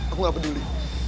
aku gak peduli